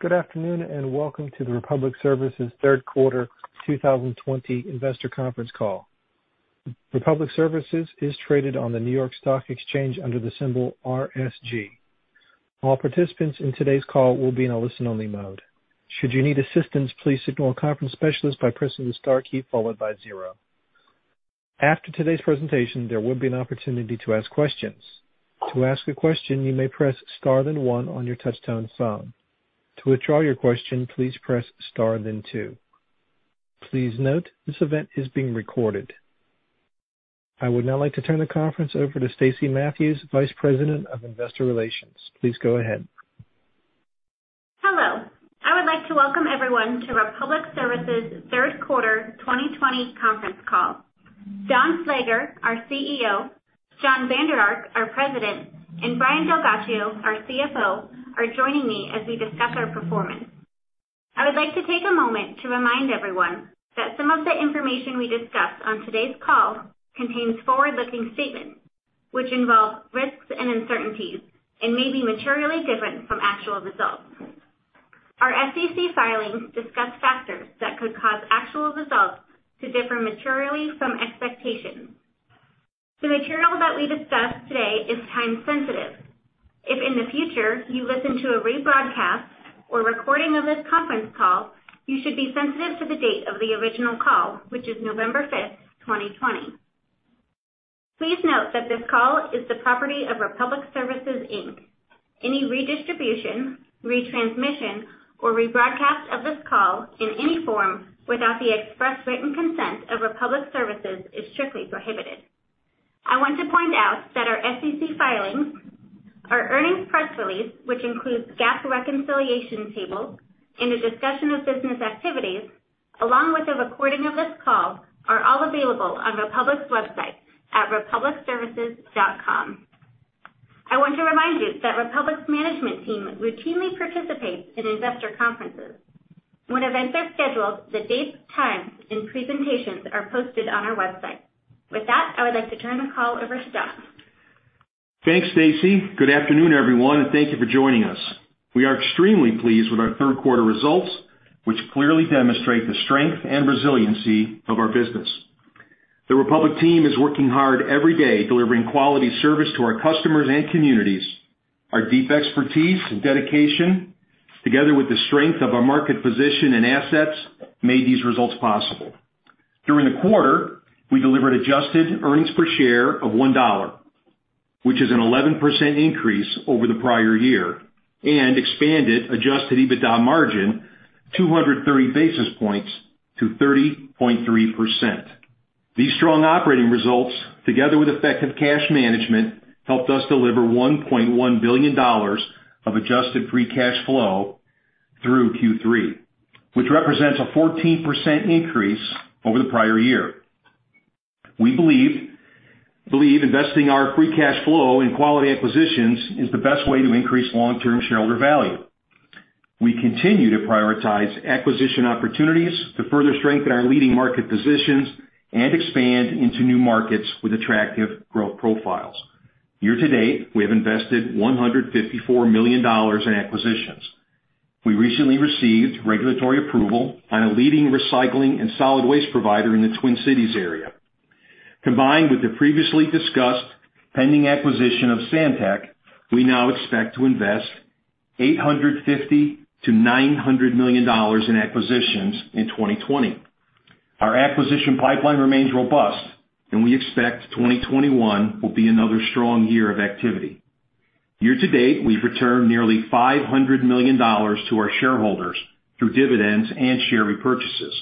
Good afternoon, and welcome to the Republic Services third quarter 2020 investor conference call. Republic Services is traded on the New York Stock Exchange under the symbol RSG. All participants in today's call will be in a listen-only mode. Should you need assistance, please signal a conference specialist by pressing the star key followed by zero. After today's presentation, there will be an opportunity to ask questions. To ask a question, you may press star, then one on your touch-tone phone. To withdraw your question, please press star, then two. Please note, this event is being recorded. I would now like to turn the conference over to Stacey Mathews, Vice President of Investor Relations. Please go ahead. Hello. I would like to welcome everyone to Republic Services' third quarter 2020 conference call. Don Slager, our CEO, Jon Vander Ark, our President, and Brian DelGhiaccio, our CFO, are joining me as we discuss our performance. I would like to take a moment to remind everyone that some of the information we discuss on today's call contains forward-looking statements, which involve risks and uncertainties and may be materially different from actual results. Our SEC filings discuss factors that could cause actual results to differ materially from expectations. The material that we discuss today is time sensitive. If in the future you listen to a rebroadcast or recording of this conference call, you should be sensitive to the date of the original call, which is November 5th, 2020. Please note that this call is the property of Republic Services, Inc. Any redistribution, retransmission, or rebroadcast of this call in any form without the express written consent of Republic Services is strictly prohibited. I want to point out that our SEC filings, our earnings press release, which includes GAAP reconciliation tables and a discussion of business activities, along with a recording of this call, are all available on Republic's website at republicservices.com. I want to remind you that Republic's management team routinely participates in investor conferences. When events are scheduled, the dates, times, and presentations are posted on our website. With that, I would like to turn the call over to Don. Thanks, Stacey. Good afternoon, everyone, and thank you for joining us. We are extremely pleased with our third quarter results, which clearly demonstrate the strength and resiliency of our business. The Republic team is working hard every day, delivering quality service to our customers and communities. Our deep expertise and dedication, together with the strength of our market position and assets, made these results possible. During the quarter, we delivered adjusted earnings per share of $1, which is an 11% increase over the prior year, and expanded adjusted EBITDA margin 230 basis points to 3.3%. These strong operating results, together with effective cash management, helped us deliver $1.1 billion of adjusted free cash flow through Q3, which represents a 14% increase over the prior year. We believe investing our free cash flow in quality acquisitions is the best way to increase long-term shareholder value. We continue to prioritize acquisition opportunities to further strengthen our leading market positions and expand into new markets with attractive growth profiles. Year to date, we have invested $154 million in acquisitions. We recently received regulatory approval on a leading recycling and solid waste provider in the Twin Cities area. Combined with the previously discussed pending acquisition of Santek, we now expect to invest $850 million-$900 million in acquisitions in 2020. Our acquisition pipeline remains robust, and we expect 2021 will be another strong year of activity. Year to date, we've returned nearly $500 million to our shareholders through dividends and share repurchases.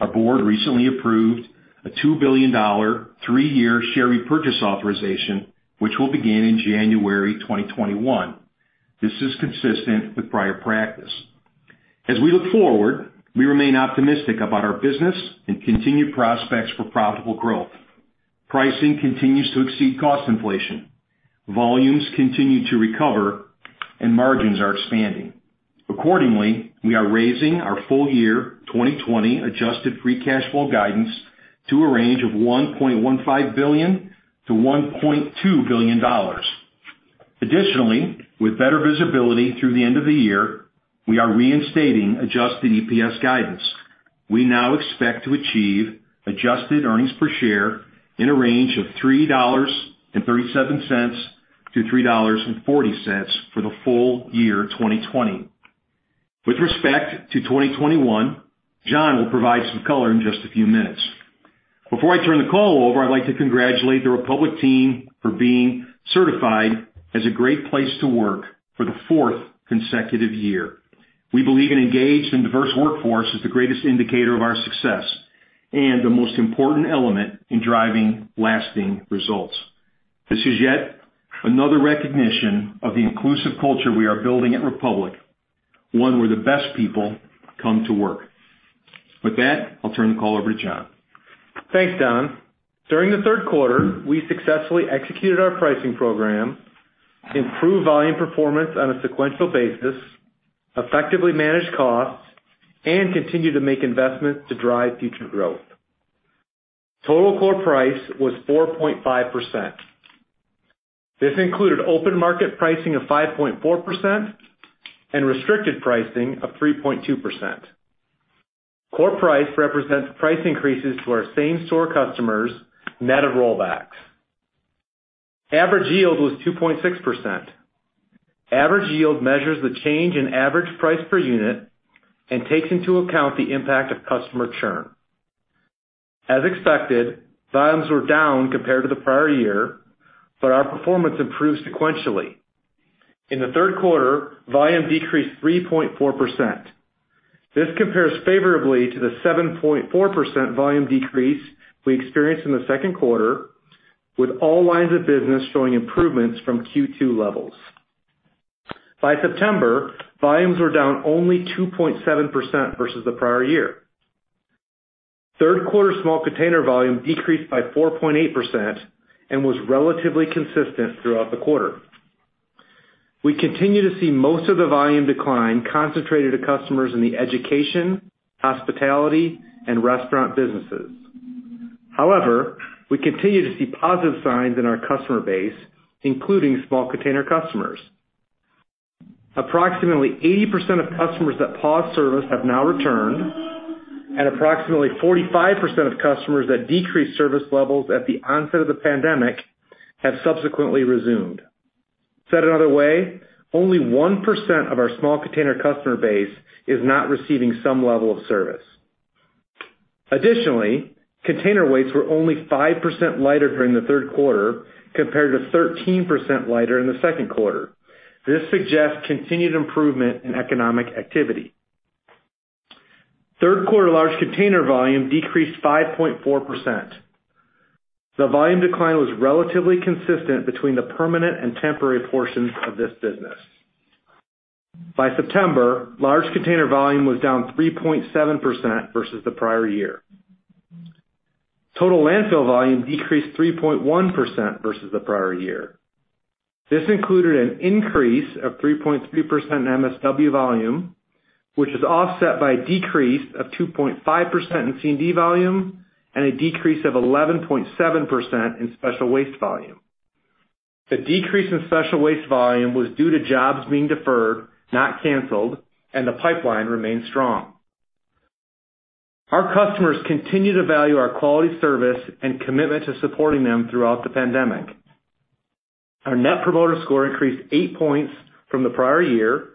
Our board recently approved a $2 billion, three-year share repurchase authorization, which will begin in January 2021. This is consistent with prior practice. As we look forward, we remain optimistic about our business and continued prospects for profitable growth. Pricing continues to exceed cost inflation. Volumes continue to recover, and margins are expanding. Accordingly, we are raising our full year 2020 adjusted free cash flow guidance to a range of $1.15 billion-$1.2 billion. Additionally, with better visibility through the end of the year, we are reinstating adjusted EPS guidance. We now expect to achieve adjusted earnings per share in a range of $3.37-$3.40 for the full year 2020. With respect to 2021, Jon will provide some color in just a few minutes. Before I turn the call over, I'd like to congratulate the Republic team for being certified as a Great Place to Work for the fourth consecutive year. We believe an engaged and diverse workforce is the greatest indicator of our success and the most important element in driving lasting results. This is yet another recognition of the inclusive culture we are building at Republic, one where the best people come to work. With that, I'll turn the call over to Jon. Thanks, Don. During the third quarter, we successfully executed our pricing program, improved volume performance on a sequential basis, effectively managed costs, and continued to make investments to drive future growth. Total core price was 4.5%. This included open market pricing of 5.4% and restricted pricing of 3.2%. Core price represents price increases to our same store customers, net of rollbacks. Average yield was 2.6%. Average yield measures the change in average price per unit and takes into account the impact of customer churn. As expected, volumes were down compared to the prior year. Our performance improved sequentially. In the third quarter, volume decreased 3.4%. This compares favorably to the 7.4% volume decrease we experienced in the second quarter, with all lines of business showing improvements from Q2 levels. By September, volumes were down only 2.7% versus the prior year. Third quarter small container volume decreased by 4.8% and was relatively consistent throughout the quarter. We continue to see most of the volume decline concentrated to customers in the education, hospitality, and restaurant businesses. However, we continue to see positive signs in our customer base, including small container customers. Approximately 80% of customers that paused service have now returned, and approximately 45% of customers that decreased service levels at the onset of the pandemic have subsequently resumed. Said another way, only 1% of our small container customer base is not receiving some level of service. Additionally, container weights were only 5% lighter during the third quarter compared to 13% lighter in the second quarter. This suggests continued improvement in economic activity. Third quarter large container volume decreased 5.4%. The volume decline was relatively consistent between the permanent and temporary portions of this business. By September, large container volume was down 3.7% versus the prior year. Total landfill volume decreased 3.1% versus the prior year. This included an increase of 3.3% in MSW volume, which is offset by a decrease of 2.5% in C&D volume and a decrease of 11.7% in special waste volume. The decrease in special waste volume was due to jobs being deferred, not cancelled, and the pipeline remains strong. Our customers continue to value our quality service and commitment to supporting them throughout the pandemic. Our Net Promoter Score increased eight points from the prior year,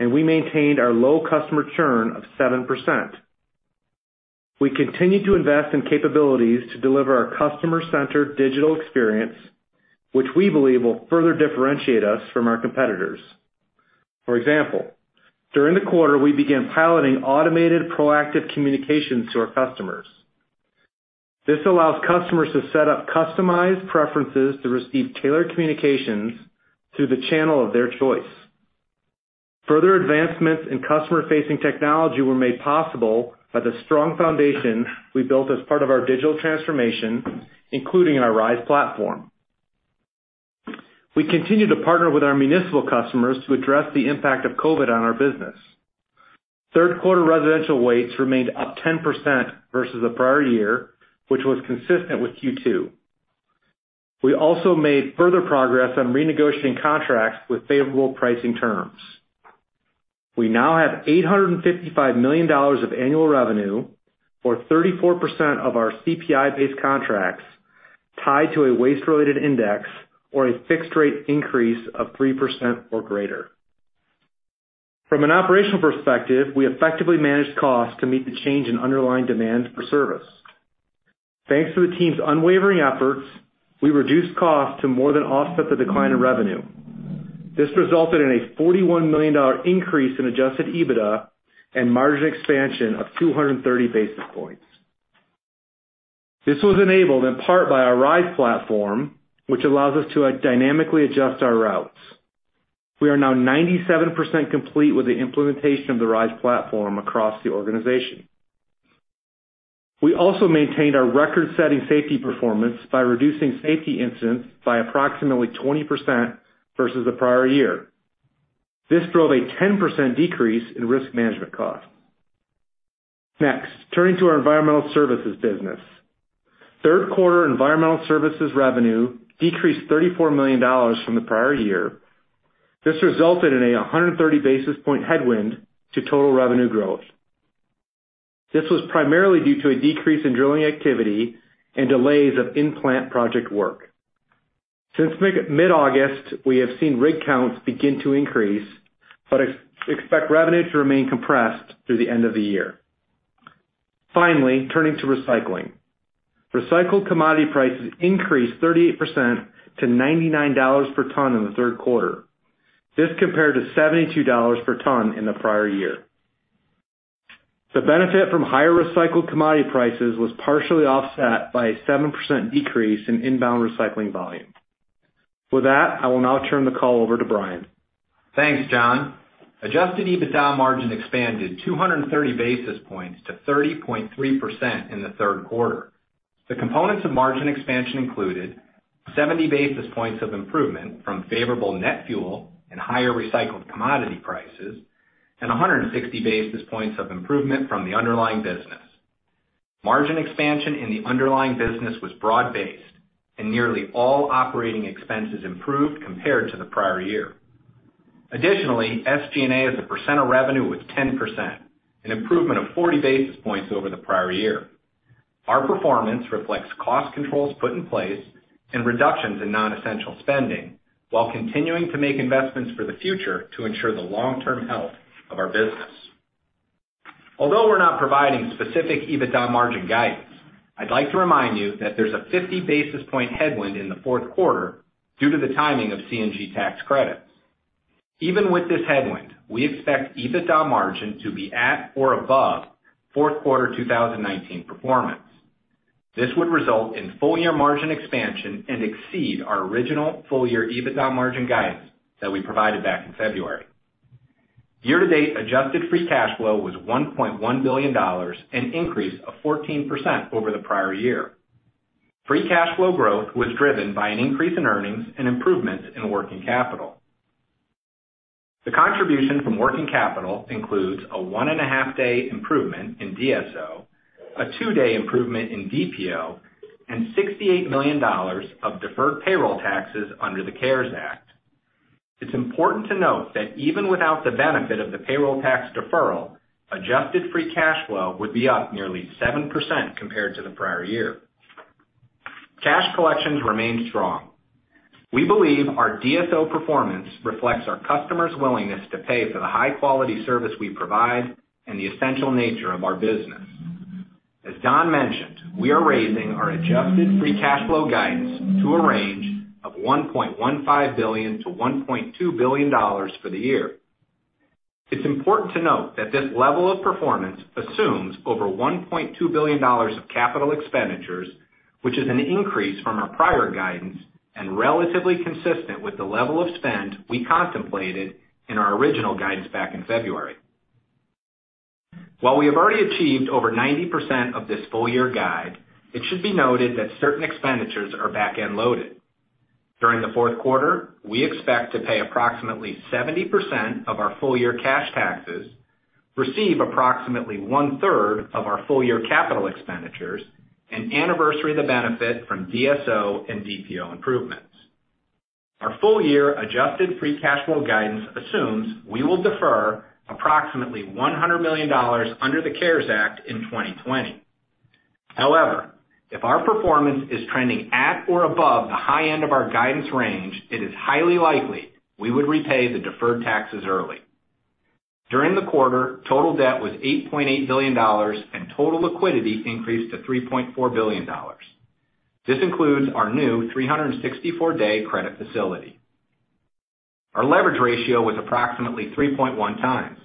and we maintained our low customer churn of 7%. We continue to invest in capabilities to deliver our customer-centred digital experience, which we believe will further differentiate us from our competitors. For example, during the quarter, we began piloting automated proactive communications to our customers. This allows customers to set up customized preferences to receive tailored communications through the channel of their choice. Further advancements in customer-facing technology were made possible by the strong foundation we built as part of our digital transformation, including our RISE platform. We continue to partner with our municipal customers to address the impact of COVID on our business. Third quarter residential waste remained up 10% versus the prior year, which was consistent with Q2. We also made further progress on renegotiating contracts with favourable pricing terms. We now have $855 million of annual revenue for 34% of our CPI-based contracts tied to a waste-related index or a fixed rate increase of 3% or greater. From an operational perspective, we effectively managed costs to meet the change in underlying demand for service. Thanks to the team's unwavering efforts, we reduced costs to more than offset the decline in revenue. This resulted in a $41 million increase in adjusted EBITDA and margin expansion of 230 basis points. This was enabled in part by our RISE platform, which allows us to dynamically adjust our routes. We are now 97% complete with the implementation of the RISE platform across the organization. We also maintained our record-setting safety performance by reducing safety incidents by approximately 20% versus the prior year. This drove a 10% decrease in risk management costs. Next, turning to our environmental services business. third quarter environmental services revenue decreased $34 million from the prior year. This resulted in a 130 basis point headwind to total revenue growth. This was primarily due to a decrease in drilling activity and delays of in-plant project work. Since mid-August, we have seen rig counts begin to increase, but expect revenue to remain compressed through the end of the year. Finally, turning to recycling. Recycled commodity prices increased 38% to $99 per ton in the third quarter. This compared to $72 per ton in the prior year. The benefit from higher recycled commodity prices was partially offset by a 7% decrease in inbound recycling volume. With that, I will now turn the call over to Brian. Thanks, Jon. Adjusted EBITDA margin expanded 230 basis points to 30.3% in the third quarter. The components of margin expansion included 70 basis points of improvement from favorable net fuel and higher recycled commodity prices, and 160 basis points of improvement from the underlying business. Margin expansion in the underlying business was broad-based and nearly all operating expenses improved compared to the prior year. Additionally, SG&A as a percent of revenue was 10%, an improvement of 40 basis points over the prior year. Our performance reflects cost controls put in place and reductions in non-essential spending while continuing to make investments for the future to ensure the long-term health of our business. Although we're not providing specific EBITDA margin guidance, I'd like to remind you that there's a 50 basis point headwind in the fourth quarter due to the timing of CNG tax credits. Even with this headwind, we expect EBITDA margin to be at or above fourth quarter 2019 performance. This would result in full-year margin expansion and exceed our original full-year EBITDA margin guidance that we provided back in February. Year-to-date adjusted free cash flow was $1.1 billion, an increase of 14% over the prior year. Free cash flow growth was driven by an increase in earnings and improvements in working capital. The contribution from working capital includes a one and a half-day improvement in DSO, a two-day improvement in DPO, and $68 million of deferred payroll taxes under the CARES Act. It's important to note that even without the benefit of the payroll tax deferral, adjusted free cash flow would be up nearly 7% compared to the prior year. Cash collections remained strong. We believe our DSO performance reflects our customers' willingness to pay for the high quality service we provide and the essential nature of our business. As Jon mentioned, we are raising our adjusted free cash flow guidance to a range of $1.15 billion-$1.2 billion for the year. It's important to note that this level of performance assumes over $1.2 billion of capital expenditures, which is an increase from our prior guidance and relatively consistent with the level of spend we contemplated in our original guidance back in February. While we have already achieved over 90% of this full year guide, it should be noted that certain expenditures are back-end loaded. During the fourth quarter, we expect to pay approximately 70% of our full-year cash taxes, receive approximately one-third of our full-year capital expenditures, and anniversary the benefit from DSO and DPO improvements. Our full-year adjusted free cash flow guidance assumes we will defer approximately $100 million under the CARES Act in 2020. If our performance is trending at or above the high end of our guidance range, it is highly likely we would repay the deferred taxes early. During the quarter, total debt was $8.8 billion and total liquidity increased to $3.4 billion. This includes our new 364-day credit facility. Our leverage ratio was approximately 3.1x.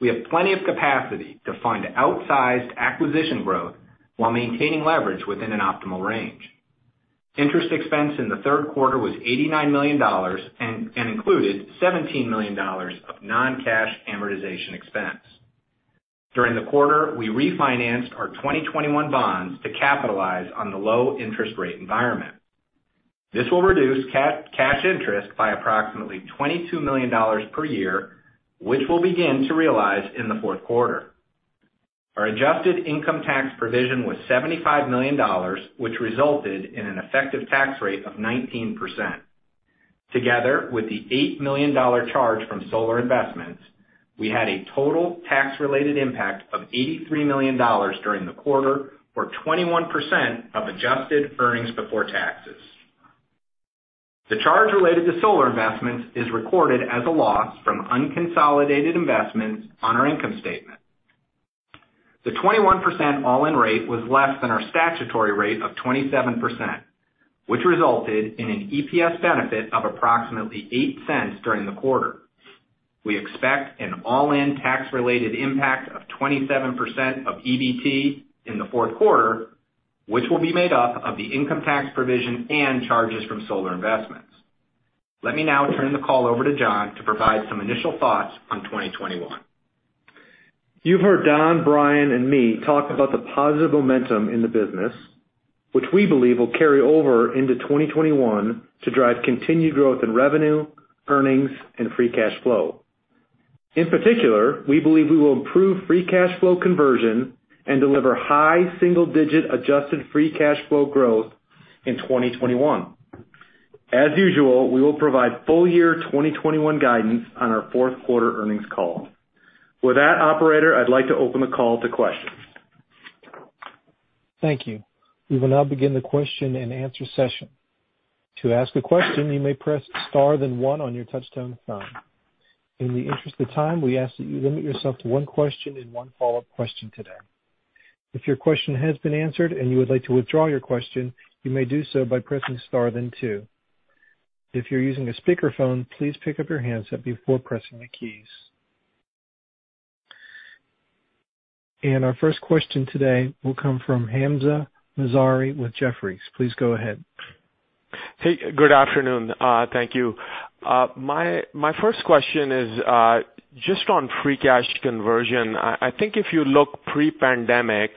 We have plenty of capacity to fund outsized acquisition growth while maintaining leverage within an optimal range. Interest expense in the third quarter was $89 million and included $17 million of non-cash amortization expense. During the quarter, we refinanced our 2021 bonds to capitalize on the low interest rate environment. This will reduce cash interest by approximately $22 million per year, which we'll begin to realize in the fourth quarter. Our adjusted income tax provision was $75 million, which resulted in an effective tax rate of 19%. Together with the $8 million charge from solar investments, we had a total tax-related impact of $83 million during the quarter or 21% of adjusted earnings before taxes. The charge related to solar investments is recorded as a loss from unconsolidated investments on our income statement. The 21% all-in rate was less than our statutory rate of 27%, which resulted in an EPS benefit of approximately $0.08 during the quarter. We expect an all-in tax related impact of 27% of EBT in the fourth quarter, which will be made up of the income tax provision and charges from solar investments. Let me now turn the call over to Jon to provide some initial thoughts on 2021. You've heard Don, Brian, and me talk about the positive momentum in the business, which we believe will carry over into 2021 to drive continued growth in revenue, earnings, and free cash flow. In particular, we believe we will improve free cash flow conversion and deliver high single-digit adjusted free cash flow growth in 2021. As usual, we will provide full-year 2021 guidance on our fourth quarter earnings call. With that, operator, I'd like to open the call to questions. Thankyou, we will now begin the question and answer session. To ask a question you may press star then one on your touch tone phone. In the meantime you are limited to one question and one follow-up question today, if your question has been answered and you would like to withdraw your question, you may do so by pressing star then two. If you are using the speaker phone please pick up your hands up before pressing the key. Our first question today will come from Hamzah Mazari with Jefferies. Please go ahead. Hey, good afternoon. Thank you. My first question is just on free cash conversion. I think if you look pre-pandemic,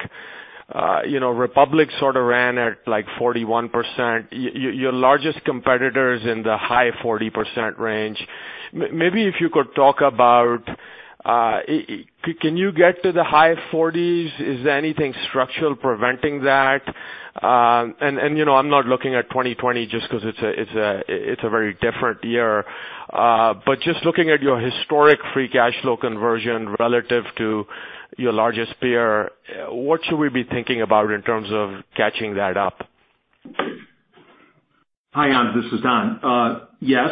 Republic sort of ran at, like, 41%. Your largest competitor's in the high 40% range. Maybe if you could talk about, can you get to the high 40s? Is there anything structural preventing that? I'm not looking at 2020 just because it's a very different year. Just looking at your historic free cash flow conversion relative to your largest peer, what should we be thinking about in terms of catching that up? Hi, Hamzah. This is Don. Yes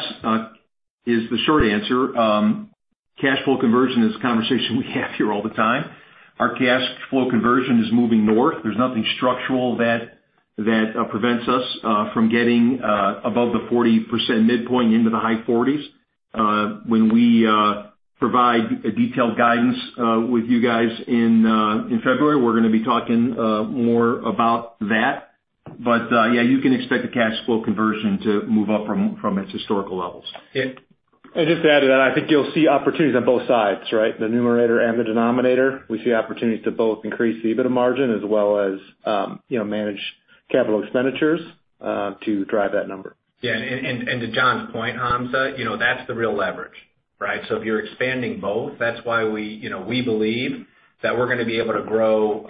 is the short answer. Cash flow conversion is a conversation we have here all the time. Our cash flow conversion is moving north. There's nothing structural that prevents us from getting above the 40% midpoint into the high 40s. When we provide a detailed guidance with you guys in February, we're going to be talking more about that. Yeah, you can expect the cash flow conversion to move up from its historical levels. Okay. Just to add to that, I think you'll see opportunities on both sides, right? The numerator and the denominator. We see opportunities to both increase the EBITDA margin as well as manage capital expenditures to drive that number. Yeah, to Jon's point, Hamzah, that's the real leverage, right? If you're expanding both, that's why we believe that we're going to be able to grow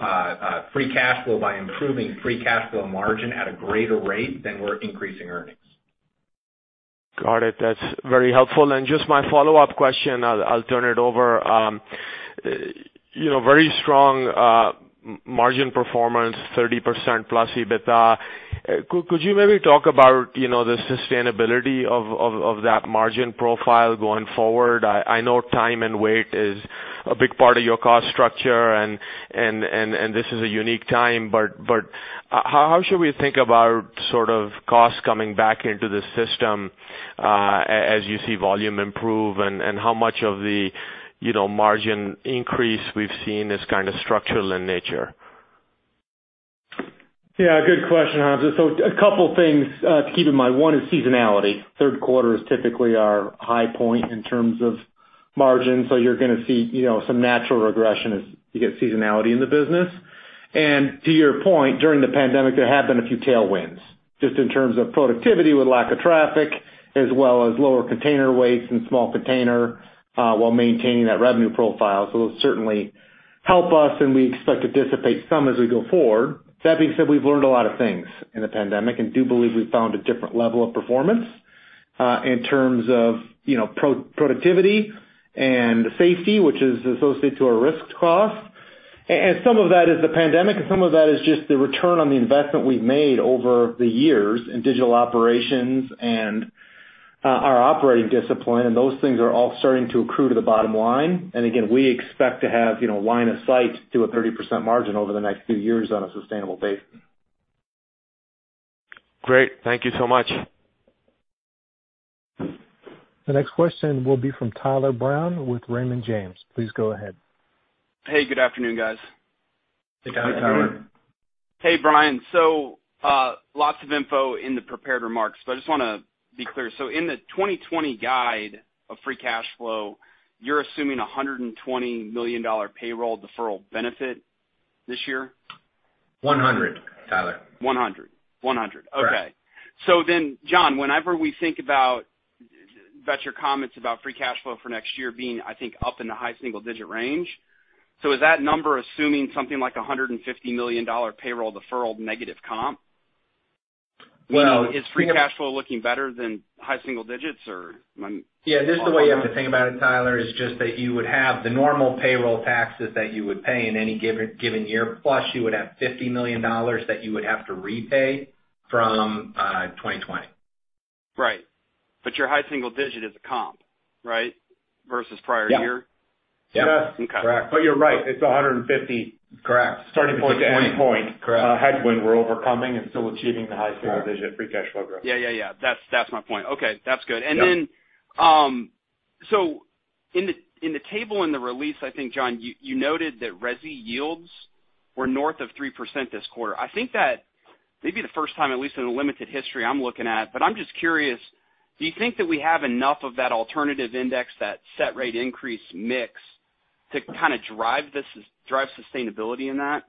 free cash flow by improving free cash flow margin at a greater rate than we're increasing earnings. Got it. That's very helpful. Just my follow-up question, I'll turn it over. Very strong margin performance, 30%+ EBITDA. Could you maybe talk about the sustainability of that margin profile going forward? I know time and wait is a big part of your cost structure and this is a unique time, but how should we think about sort of costs coming back into the system, as you see volume improve and how much of the margin increase we've seen is kind of structural in nature? Yeah, good question, Hamzah. A couple of things to keep in mind. One is seasonality. third quarter is typically our high point in terms of margin. You're going to see some natural regression as you get seasonality in the business. To your point, during the pandemic, there have been a few tailwinds. Just in terms of productivity with lack of traffic, as well as lower container weights and small container, while maintaining that revenue profile. It'll certainly help us, and we expect to dissipate some as we go forward. That being said, we've learned a lot of things in the pandemic and do believe we found a different level of performance, in terms of productivity and safety, which is associated to our risk cost. Some of that is the pandemic, and some of that is just the return on the investment we've made over the years in digital operations and our operating discipline. Those things are all starting to accrue to the bottom line. Again, we expect to have line of sight to a 30% margin over the next few years on a sustainable basis. Great. Thank you so much. The next question will be from Tyler Brown with Raymond James. Please go ahead. Hey, good afternoon, guys. Hey, Tyler. Hey. Hey, Brian. Lots of info in the prepared remarks, but I just want to be clear. In the 2020 guide of free cash flow, you're assuming $120 million payroll deferral benefit this year? $100, Tyler. 100. Correct. Jon, whenever we think about your comments about free cash flow for next year being, I think, up in the high single-digit range. Is that number assuming something like $150 million payroll deferral negative comp? Well- Is free cash flow looking better than high single digits or am I? Yeah, this is the way you have to think about it, Tyler, is just that you would have the normal payroll taxes that you would pay in any given year, plus you would have $50 million that you would have to repay from 2020. Right. Your high single digit is a comp, right? Versus prior year? Yep. Yes. Okay. You're right. It's $150. Correct. Starting point to end point. Correct. Headwind we're overcoming and still achieving the high single-digit free cash flow growth. Yeah. That's my point. Okay. That's good. Yeah. In the table in the release, I think, Jon, you noted that resi yields were north of 3% this quarter. I think that may be the first time, at least in the limited history I'm looking at, but I'm just curious, do you think that we have enough of that alternative index, that set rate increase mix to kind of drive sustainability in that?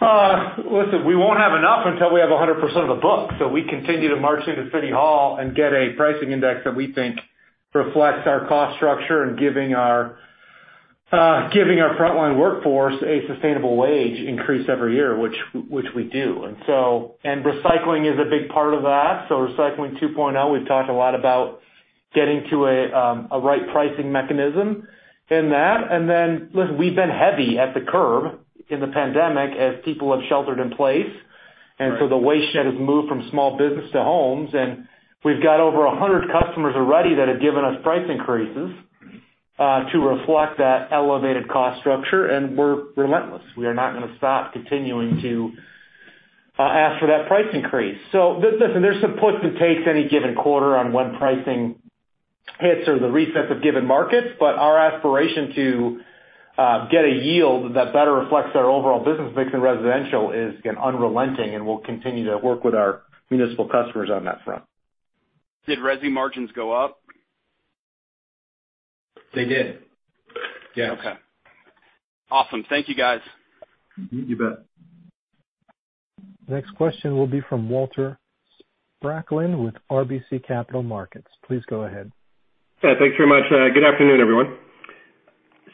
Listen, we won't have enough until we have 100% of the book. We continue to march into City Hall and get a pricing index that we think reflects our cost structure and giving our frontline workforce a sustainable wage increase every year, which we do. Recycling is a big part of that. Recycling 2.0, we've talked a lot about getting to a right pricing mechanism in that. Listen, we've been heavy at the curb in the pandemic as people have sheltered in place. Right. The waste shed has moved from small business to homes, and we've got over 100 customers already that have given us price increases to reflect that elevated cost structure, and we're relentless. We are not going to stop continuing to ask for that price increase. Listen, there's some puts and takes any given quarter on when pricing hits or the resets of given markets, but our aspiration to get a yield that better reflects our overall business mix in residential is, again, unrelenting, and we'll continue to work with our municipal customers on that front. Did resi margins go up? They did. Yes. Okay. Awesome. Thank you, guys. You bet. Next question will be from Walter Spracklin with RBC Capital Markets. Please go ahead. Thanks very much. Good afternoon, everyone.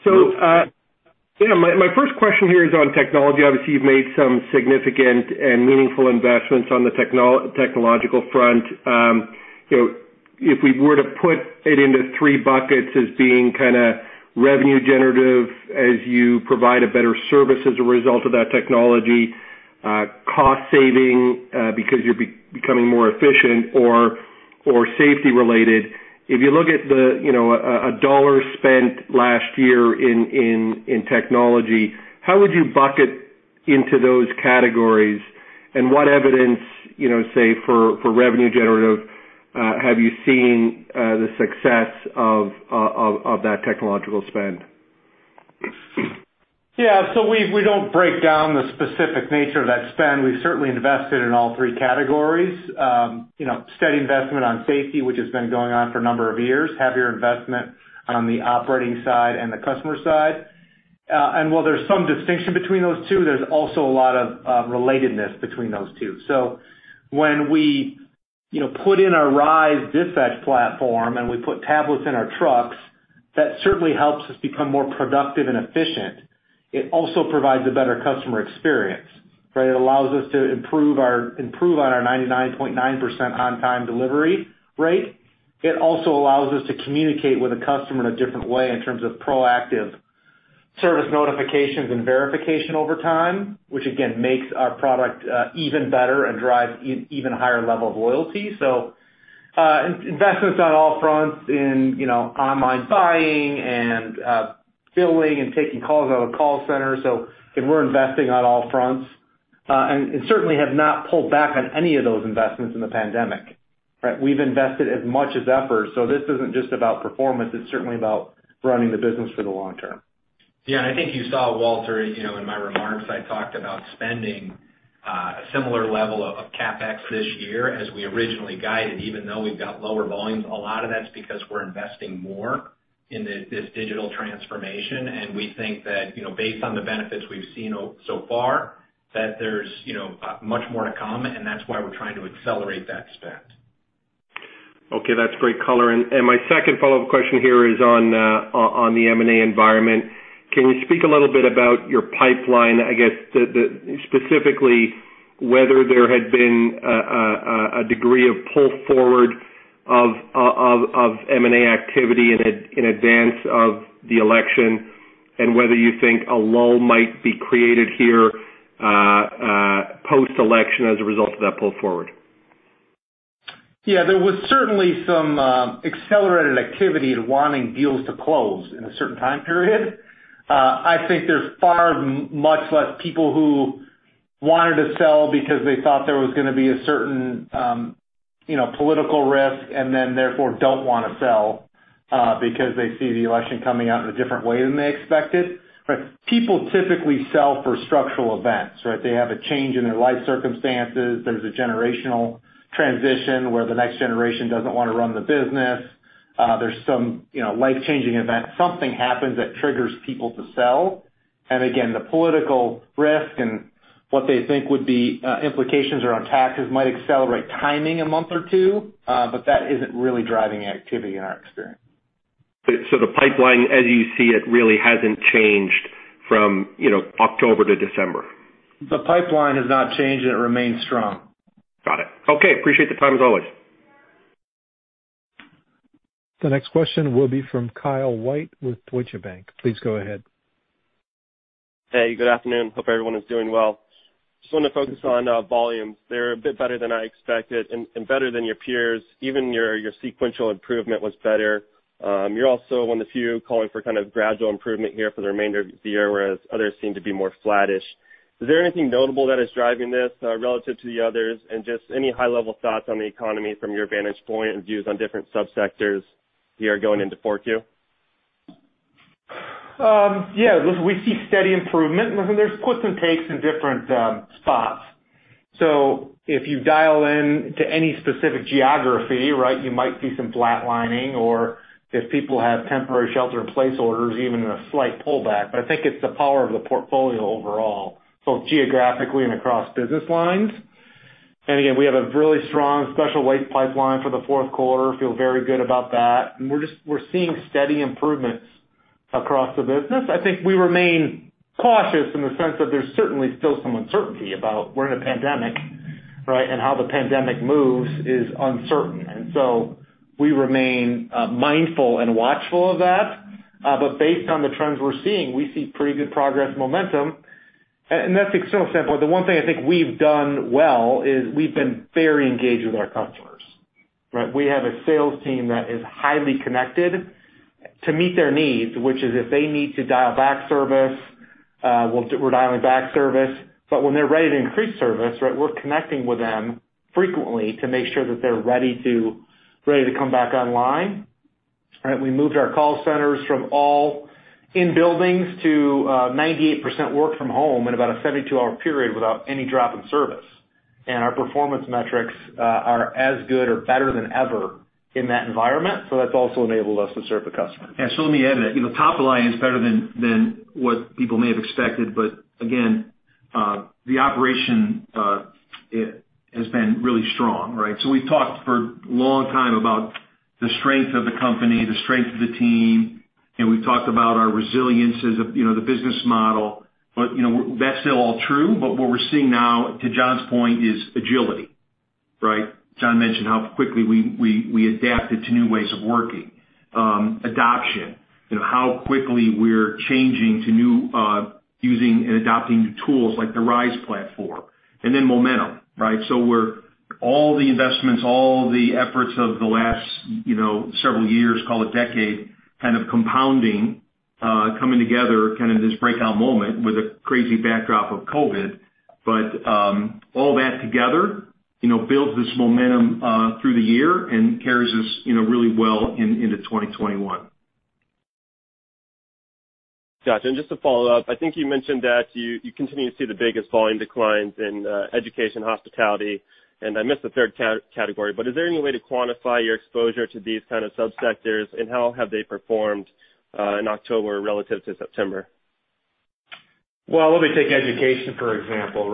My first question here is on technology. Obviously, you've made some significant and meaningful investments on the technological front. If we were to put it into three buckets as being kind of revenue generative, as you provide a better service as a result of that technology, cost saving because you're becoming more efficient, or safety related. If you look at $1 spent last year in technology, how would you bucket into those categories and what evidence, say, for revenue generative, have you seen the success of that technological spend? Yeah, we don't break down the specific nature of that spend. We've certainly invested in all three categories. Steady investment on safety, which has been going on for a number of years, heavier investment on the operating side and the customer side. While there's some distinction between those two, there's also a lot of relatedness between those two. When we put in a RISE dispatch platform and we put tablets in our trucks, that certainly helps us become more productive and efficient. It also provides a better customer experience, right? It allows us to improve on our 99.9% on-time delivery rate. It also allows us to communicate with a customer in a different way in terms of proactive service notifications and verification over time, which again, makes our product even better and drives even higher level of loyalty. Investments on all fronts in online buying and filling and taking calls out of call centre. Again, we're investing on all fronts. Certainly have not pulled back on any of those investments in the pandemic, right? We've invested as much as ever. This isn't just about performance, it's certainly about running the business for the long term. I think you saw, Walter, in my remarks, I talked about spending a similar level of CapEx this year as we originally guided, even though we've got lower volumes. A lot of that's because we're investing more in this digital transformation. We think that based on the benefits we've seen so far, that there's much more to come, and that's why we're trying to accelerate that spend. Okay, that's great color. My second follow-up question here is on the M&A environment. Can you speak a little bit about your pipeline, I guess, specifically whether there had been a degree of pull forward of M&A activity in advance of the election and whether you think a lull might be created here post-election as a result of that pull forward? Yeah, there was certainly some accelerated activity in wanting deals to close in a certain time period. I think there's far much less people who wanted to sell because they thought there was going to be a certain political risk, and then therefore don't want to sell because they see the election coming out in a different way than they expected, right? People typically sell for structural events, right? They have a change in their life circumstances. There's a generational transition where the next generation doesn't want to run the business. There's some life-changing event. Something happens that triggers people to sell. Again, the political risk and what they think would be implications around taxes might accelerate timing a month or two, but that isn't really driving activity in our experience. The pipeline as you see it, really hasn't changed from October to December. The pipeline has not changed, and it remains strong. Got it. Okay. Appreciate the time as always. The next question will be from Kyle White with Deutsche Bank. Please go ahead. Hey, good afternoon. Hope everyone is doing well. Just want to focus on volumes. They're a bit better than I expected and better than your peers. Even your sequential improvement was better. You're also one of the few calling for kind of gradual improvement here for the remainder of the year, whereas others seem to be more flattish. Is there anything notable that is driving this relative to the others? Just any high-level thoughts on the economy from your vantage point and views on different sub-sectors here going into 4Q? Yeah, listen, we see steady improvement. There's puts and takes in different spots. If you dial in to any specific geography, right, you might see some flat lining or if people have temporary shelter-in-place orders, even a slight pullback. I think it's the power of the portfolio overall, both geographically and across business lines. Again, we have a really strong special waste pipeline for the fourth quarter. Feel very good about that. We're seeing steady improvements across the business. I think we remain cautious in the sense that there's certainly still some uncertainty about we're in a pandemic, right? How the pandemic moves is uncertain. We remain mindful and watchful of that. Based on the trends we're seeing, we see pretty good progress momentum. That's external standpoint. The one thing I think we've done well is we've been very engaged with our customers, right? We have a sales team that is highly connected to meet their needs, which is if they need to dial back service, we're dialing back service. When they're ready to increase service, right, we're connecting with them frequently to make sure that they're ready to come back online, right? We moved our call centers from all in buildings to 98% work from home in about a 72-hour period without any drop in service. Our performance metrics are as good or better than ever in that environment. That's also enabled us to serve the customer. Yeah, let me add that top line is better than what people may have expected. The operation has been really strong. We've talked for a long time about the strength of the company, the strength of the team, and we've talked about our resilience as the business model. That's still all true, what we're seeing now, to Jon's point, is agility. Jon mentioned how quickly we adapted to new ways of working. Adoption, how quickly we're changing to using and adopting new tools like the RISE platform, momentum. All the investments, all the efforts of the last several years, call it decade, compounding, coming together, this breakout moment with a crazy backdrop of COVID. All that together builds this momentum through the year and carries us really well into 2021. Got you. Just to follow up, I think you mentioned that you continue to see the biggest volume declines in education, hospitality, and I missed the third category, but is there any way to quantify your exposure to these kind of sub-sectors, and how have they performed in October relative to September? Well, let me take education for example.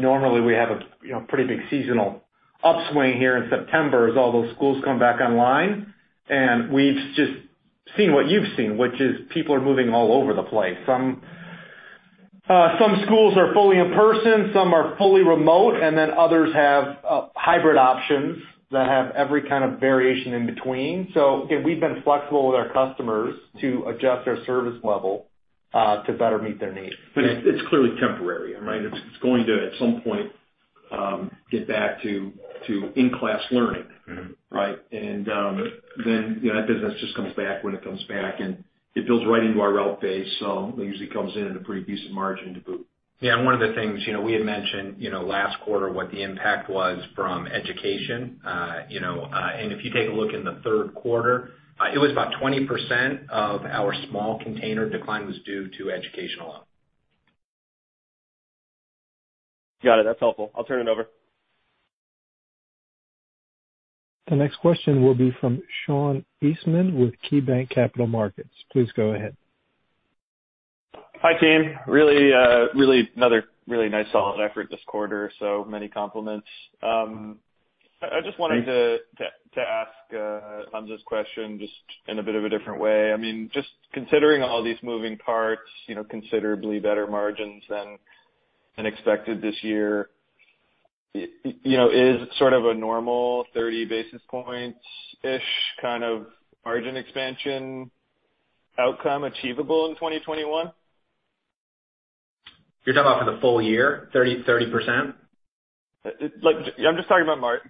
Normally we have a pretty big seasonal upswing here in September as all those schools come back online, and we've just seen what you've seen, which is people are moving all over the place. Some schools are fully in person, some are fully remote, and then others have hybrid options that have every kind of variation in between. We've been flexible with our customers to adjust our service level to better meet their needs. It's clearly temporary. It's going to, at some point, get back to in-class learning. That business just comes back when it comes back, and it builds right into our route base. It usually comes in at a pretty decent margin to boot. Yeah. One of the things, we had mentioned last quarter what the impact was from education. If you take a look in the third quarter, it was about 20% of our small container decline was due to educational alone. Got it. That's helpful. I'll turn it over. The next question will be from Sean Eastman with KeyBanc Capital Markets. Please go ahead. Hi, team. Really another really nice solid effort this quarter. Many compliments. I just wanted to ask Hamzah's question just in a bit of a different way. Considering all these moving parts, considerably better margins than expected this year, is sort of a normal 30 basis points-ish kind of margin expansion outcome achievable in 2021? You're talking about for the full year,30/30%? I'm just talking about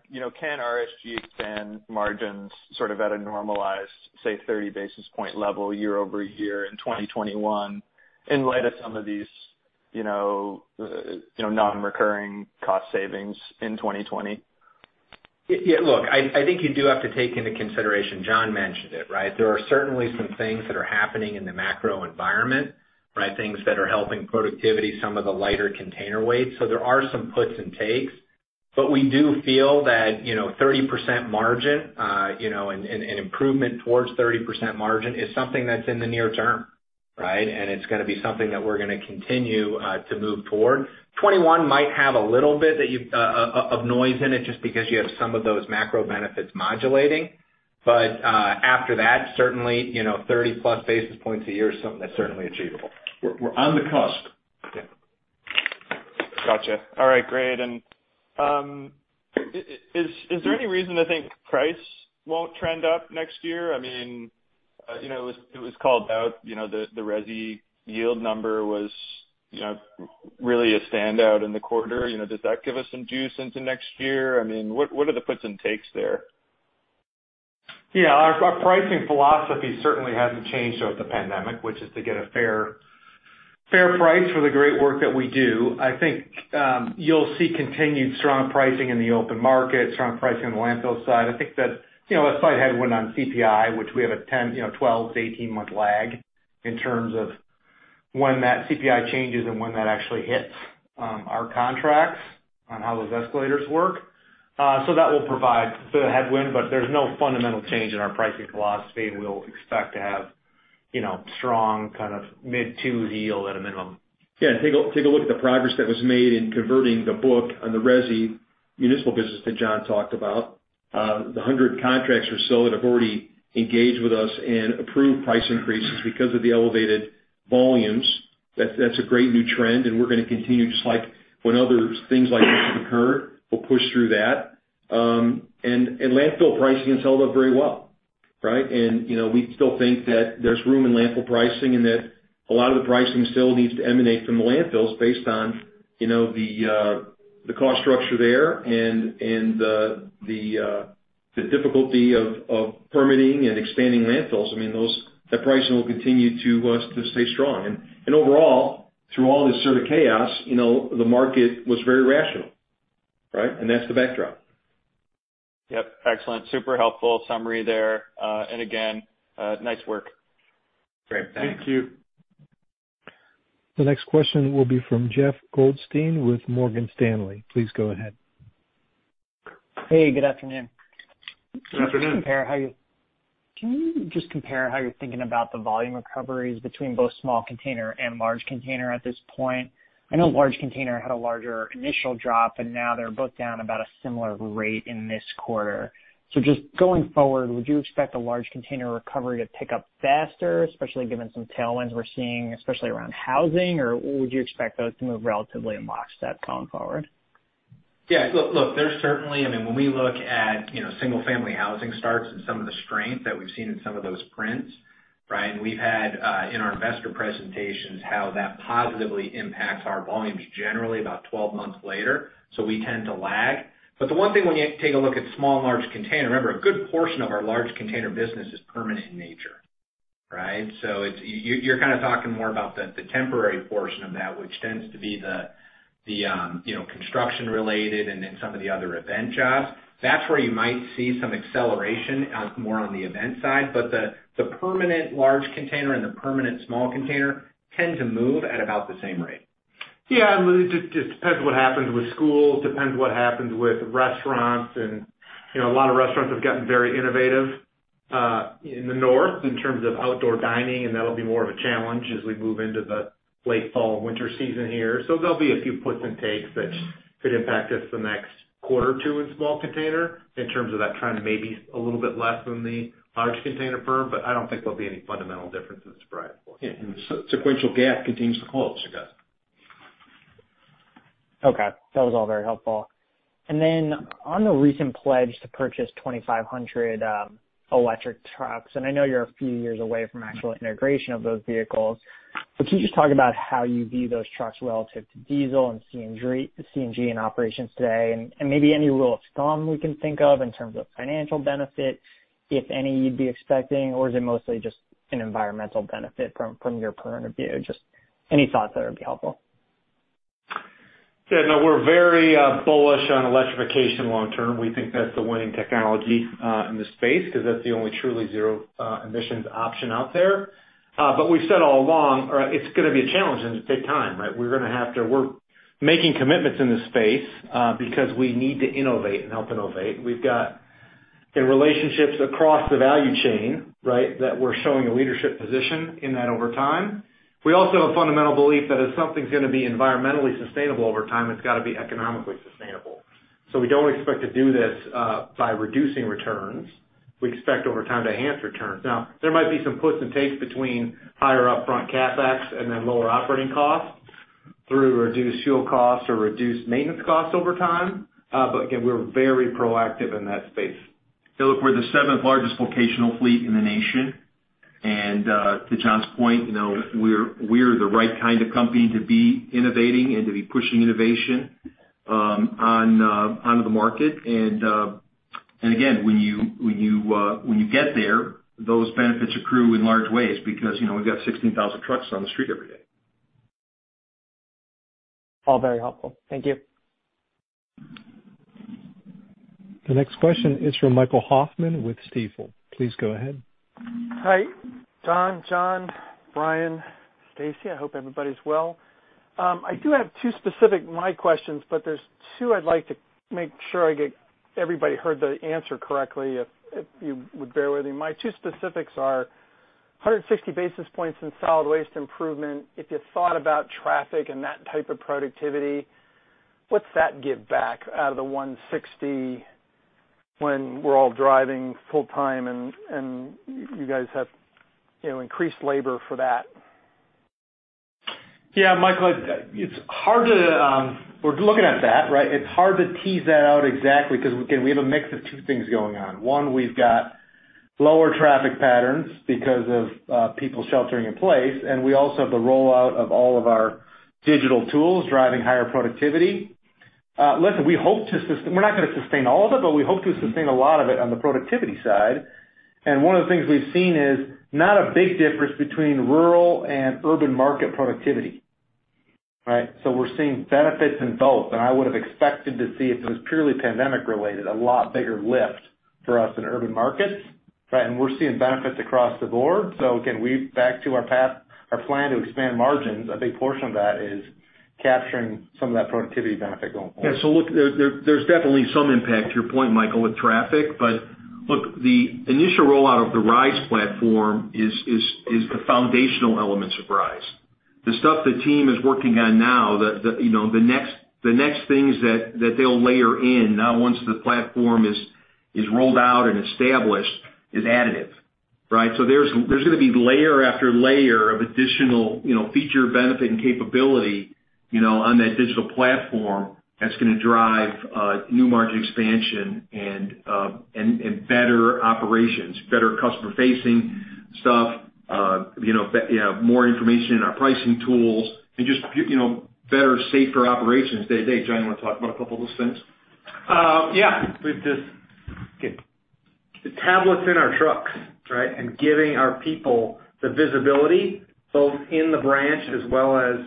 can RSG expand margins sort of at a normalized, say, 30 basis point level year-over-year in 2021 in light of some of these non-recurring cost savings in 2020? Look, I think you do have to take into consideration, John mentioned it. There are certainly some things that are happening in the macro environment. Things that are helping productivity, some of the lighter container weights. There are some puts and takes, but we do feel that 30% margin, and improvement towards 30% margin is something that's in the near term. It's going to be something that we're going to continue to move toward. 2021 might have a little bit of noise in it just because you have some of those macro benefits modulating. After that, certainly, 30+ basis points a year is something that's certainly achievable. We're on the cusp. Yeah. Got you. All right, great. Is there any reason to think price won't trend up next year? It was called out, the resi yield number was really a standout in the quarter. Does that give us some juice into next year? What are the puts and takes there? Yeah. Our pricing philosophy certainly hasn't changed over the pandemic, which is to get a fair price for the great work that we do. I think you'll see continued strong pricing in the open market, strong pricing on the landfill side. I think that a slight headwind on CPI, which we have a 12-18 month lag in terms of when that CPI changes and when that actually hits our contracts on how those escalators work. That will provide the headwind, but there's no fundamental change in our pricing philosophy. We'll expect to have strong mid-two's yield at a minimum. Yeah. Take a look at the progress that was made in converting the book on the resi municipal business that Jon talked about. The 100 contracts or so that have already engaged with us and approved price increases because of the elevated volumes. That's a great new trend and we're going to continue, just like when other things like this occur, we'll push through that. Landfill pricing has held up very well. We still think that there's room in landfill pricing and that a lot of the pricing still needs to emanate from the landfills based on the cost structure there and the difficulty of permitting and expanding landfills. That pricing will continue to stay strong. Overall, through all this sort of chaos, the market was very rational. That's the backdrop. Yep. Excellent. Super helpful summary there. Again, nice work. Great. Thanks. Thank you. The next question will be from Jeff Goldstein with Morgan Stanley. Please go ahead. Hey, good afternoon. Good afternoon. Can you just compare how you're thinking about the volume recoveries between both small container and large container at this point? I know large container had a larger initial drop, and now they're both down about a similar rate in this quarter. Just going forward, would you expect a large container recovery to pick up faster, especially given some tailwinds we're seeing, especially around housing? Would you expect those to move relatively in lockstep going forward? Yeah, look, there's certainly, I mean, when we look at single-family housing starts and some of the strength that we've seen in some of those prints, Brian, we've had, in our investor presentations, how that positively impacts our volumes generally about 12 months later, so we tend to lag. The one thing when you take a look at small and large container, remember, a good portion of our large container business is permanent in nature. You're kind of talking more about the temporary portion of that, which tends to be the construction-related and then some of the other event jobs. That's where you might see some acceleration, more on the event side. The permanent large container and the permanent small container tend to move at about the same rate. Yeah, it just depends what happens with schools, depends what happens with restaurants. A lot of restaurants have gotten very innovative, in the north, in terms of outdoor dining, and that'll be more of a challenge as we move into the late fall/winter season here. There'll be a few puts and takes that could impact us the next quarter or two in small container in terms of that trend maybe a little bit less than the large container firm, but I don't think there'll be any fundamental differences, Brian. Yeah, the sequential gap continues to close, I guess. Okay. That was all very helpful. On the recent pledge to purchase 2,500 electric trucks, I know you're a few years away from actual integration of those vehicles, can you just talk about how you view those trucks relative to diesel and CNG in operations today, maybe any rule of thumb we can think of in terms of financial benefit, if any, you'd be expecting? Is it mostly just an environmental benefit from your current view? Just any thoughts there would be helpful. Yeah, no, we're very bullish on electrification long term. We think that's the winning technology in the space because that's the only truly zero emissions option out there. We've said all along, it's going to be a challenge and big time. We're making commitments in this space because we need to innovate and help innovate. We've got relationships across the value chain that we're showing a leadership position in that over time. We also have a fundamental belief that if something's going to be environmentally sustainable over time, it's got to be economically sustainable. We don't expect to do this by reducing returns. We expect over time to enhance returns. Now, there might be some puts and takes between higher upfront CapEx and then lower operating costs through reduced fuel costs or reduced maintenance costs over time. Again, we're very proactive in that space. Hey, look, we're the seventh largest vocational fleet in the nation. To Jon's point, we're the right kind of company to be innovating and to be pushing innovation onto the market. Again, when you get there, those benefits accrue in large ways because we've got 16,000 trucks on the street every day. All very helpful. Thank you. The next question is from Michael Hoffman with Stifel. Please go ahead. Hi, Don, Jon, Brian, Stacey. I hope everybody's well. I do have two specific my questions, but there's two I'd like to make sure I get everybody heard the answer correctly, if you would bear with me. My two specifics are 160 basis points in solid waste improvement. If you thought about traffic and that type of productivity, what's that give back out of the 160 when we're all driving full time and you guys have increased labor for that? Yeah, Michael, we're looking at that. It's hard to tease that out exactly because, again, we have a mix of two things going on. One, we've got lower traffic patterns because of people sheltering in place, and we also have the rollout of all of our digital tools driving higher productivity. Listen, we're not going to sustain all of it, but we hope to sustain a lot of it on the productivity side. One of the things we've seen is not a big difference between rural and urban market productivity. We're seeing benefits in both, and I would have expected to see if it was purely pandemic related, a lot bigger lift for us in urban markets. We're seeing benefits across the board. Again, back to our plan to expand margins. A big portion of that is capturing some of that productivity benefit going forward. Look, there's definitely some impact to your point, Michael, with traffic. Look, the initial rollout of the RISE platform is the foundational elements of RISE. The stuff the team is working on now, the next things that they'll layer in now once the platform is rolled out and established is additive. There's going to be layer after layer of additional feature, benefit, and capability on that digital platform that's going to drive new margin expansion and better operations, better customer-facing stuff, more information in our pricing tools, and just better, safer operations day to day. Jon, you want to talk about a couple of those things? Yeah. The tablets in our trucks and giving our people the visibility both in the branch as well as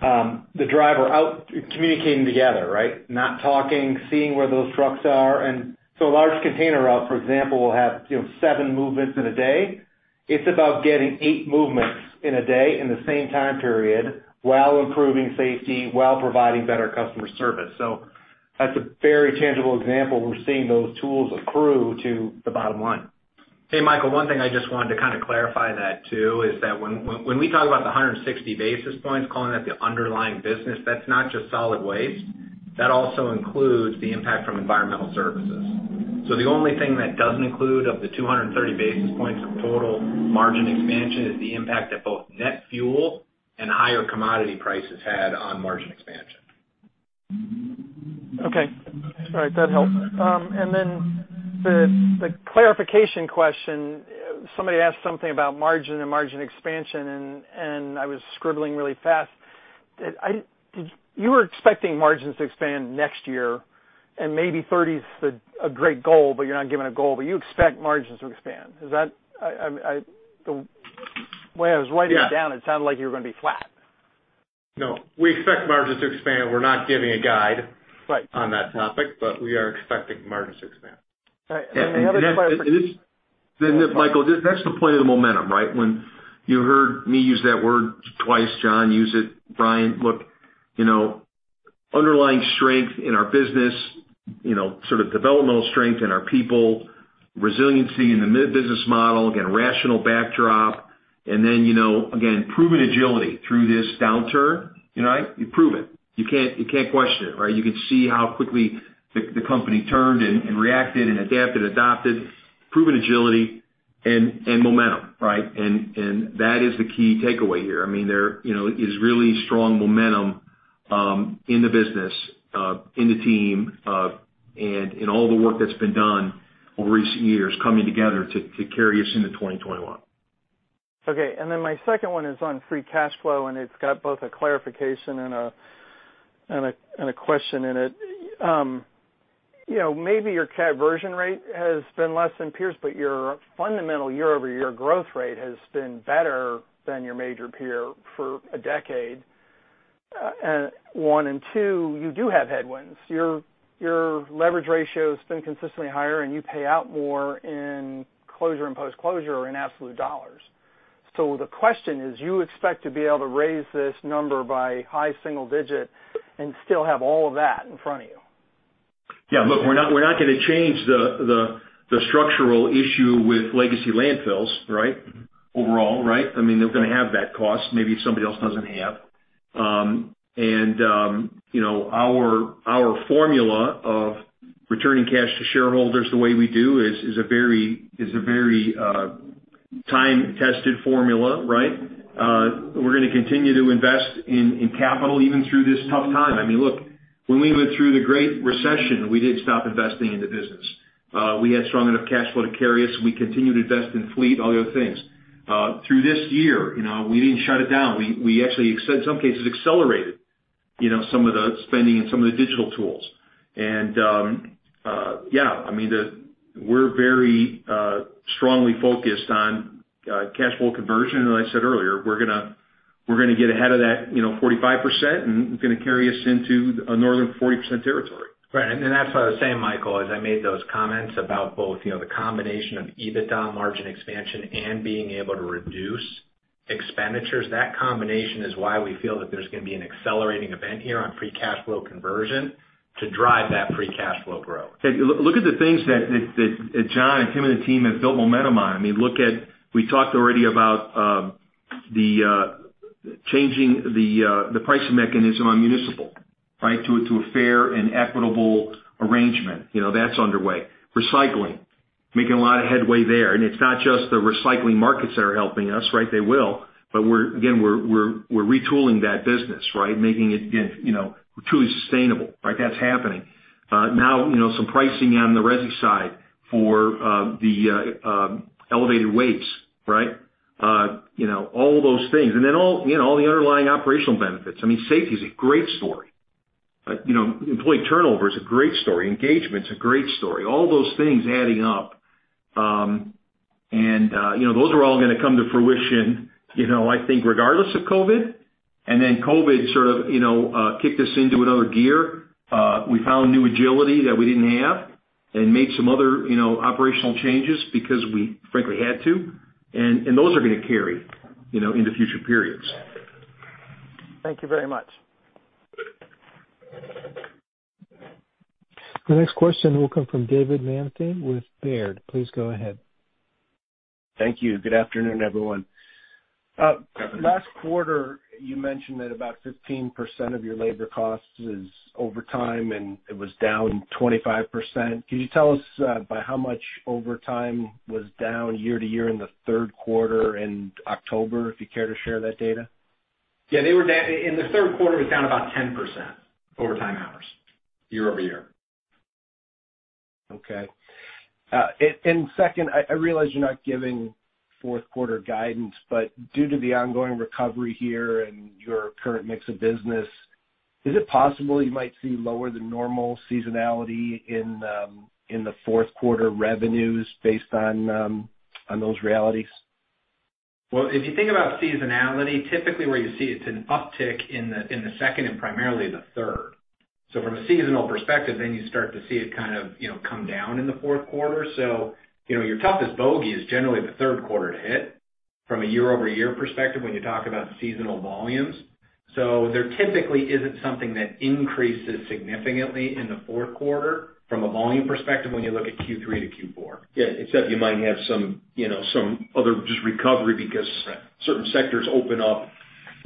the driver out communicating together. Not talking, seeing where those trucks are. A large container route, for example, will have seven movements in a day. It's about getting eight movements in a day in the same time period, while improving safety, while providing better customer service. That's a very tangible example of where we're seeing those tools accrue to the bottom line. Hey, Michael, one thing I just wanted to kind of clarify that, too, is that when we talk about the 160 basis points, calling that the underlying business, that's not just solid waste. That also includes the impact from environmental services. The only thing that doesn't include of the 230 basis points of total margin expansion is the impact that both net fuel and higher commodity prices had on margin expansion. Okay. All right. That helps. The clarification question, somebody asked something about margin and margin expansion, and I was scribbling really fast. You were expecting margins to expand next year, and maybe 30 is a great goal, but you're not giving a goal, but you expect margins to expand. When I was writing it down, it sounded like you were going to be flat. No, we expect margins to expand. We're not giving a guide- Right on that topic, but we are expecting margins to expand. All right. The other question. Michael, that's the point of the momentum, right? When you heard me use that word twice, Jon used it, Brian. Look, underlying strength in our business, sort of developmental strength in our people, resiliency in the mid-business model, again, rational backdrop, and then, again, proven agility through this downturn. You prove it. You can't question it, right? You can see how quickly the company turned and reacted and adapted, adopted, proven agility and momentum, right? That is the key takeaway here. There is really strong momentum in the business, in the team, and in all the work that's been done over recent years coming together to carry us into 2021. Okay, my second one is on free cash flow, and it's got both a clarification and a question in it. Maybe your conversion rate has been less than peers, but your fundamental year-over-year growth rate has been better than your major peer for a decade. One and two, you do have headwinds. Your leverage ratio has been consistently higher, and you pay out more in closure and post-closure in absolute dollars. The question is, you expect to be able to raise this number by high single-digit and still have all of that in front of you? Yeah, look, we're not going to change the structural issue with legacy landfills overall, right? They're going to have that cost maybe somebody else doesn't have. Our formula of returning cash to shareholders the way we do is a very time-tested formula, right? We're going to continue to invest in capital even through this tough time. Look, when we went through the Great Recession, we didn't stop investing in the business. We had strong enough cash flow to carry us. We continued to invest in fleet, all the other things. Through this year, we didn't shut it down. We actually, in some cases, accelerated some of the spending and some of the digital tools. Yeah, we're very strongly focused on cash flow conversion, and as I said earlier, we're going to get ahead of that 45%, and it's going to carry us into a northern 40% territory. Right. That's what I was saying, Michael, as I made those comments about both the combination of EBITDA margin expansion and being able to reduce expenditures. That combination is why we feel that there's going to be an accelerating event here on free cash flow conversion to drive that free cash flow growth. Look at the things that Jon and Tim and the team have built momentum on. We talked already about changing the pricing mechanism on municipal to a fair and equitable arrangement. That's underway. Recycling, making a lot of headway there. It's not just the recycling markets that are helping us. They will. Again, we're retooling that business, making it truly sustainable. That's happening. Now, some pricing on the resi side for the elevated waste. All those things. All the underlying operational benefits. Safety is a great story. Employee turnover is a great story. Engagement is a great story. All those things adding up. Those are all going to come to fruition, I think, regardless of COVID. And then COVID sort of kicked us into another gear. We found new agility that we didn't have and made some other operational changes because we frankly had to, and those are going to carry into future periods. Thank you very much. The next question will come from David Manthey with Baird. Please go ahead. Thank you. Good afternoon, everyone. Good afternoon. Last quarter, you mentioned that about 15% of your labor cost is overtime, and it was down 25%. Can you tell us by how much overtime was down year-over-year in the third quarter and October, if you care to share that data? Yeah, in the third quarter, it was down about 10% overtime hours year-over-year. Okay. Second, I realize you're not giving fourth quarter guidance, but due to the ongoing recovery here and your current mix of business, is it possible you might see lower than normal seasonality in the fourth quarter revenues based on those realities? If you think about seasonality, typically where you see it's an uptick in the second and primarily the third. From a seasonal perspective, then you start to see it kind of come down in the fourth quarter. Your toughest bogey is generally the third quarter to hit from a year-over-year perspective when you talk about seasonal volumes. There typically isn't something that increases significantly in the fourth quarter from a volume perspective when you look at Q3-Q4. Yeah. Except you might have some other just recovery because. Right certain sectors open up,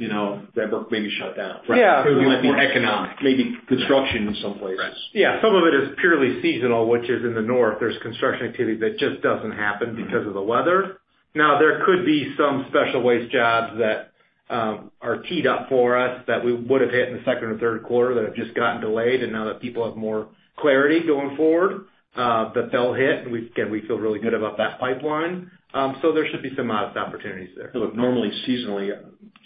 that were maybe shut down. Yeah. More economic. Maybe construction in some places. Right. Yeah. Some of it is purely seasonal, which is in the north. There's construction activity that just doesn't happen because of the weather. There could be some special waste jobs that are teed up for us that we would've hit in the second or third quarter that have just gotten delayed, and now that people have more clarity going forward, that they'll hit. Again, we feel really good about that pipeline. There should be some modest opportunities there. Look, normally, seasonally,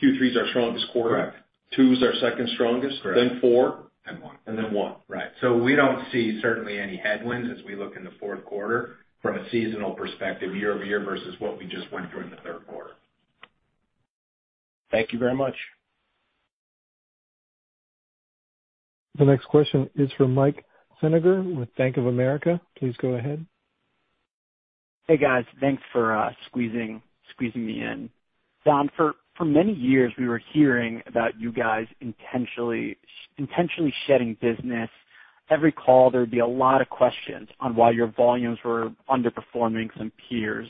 Q3 is our strongest quarter. Correct. Two is our second strongest. Correct. Four. One. One. Right. We don't see certainly any headwinds as we look in the fourth quarter from a seasonal perspective, year-over-year versus what we just went through in the third quarter. Thank you very much. The next question is from Michael Feniger with Bank of America. Please go ahead. Hey, guys. Thanks for squeezing me in. Don, for many years, we were hearing about you guys intentionally shedding business. Every call, there would be a lot of questions on why your volumes were underperforming some peers.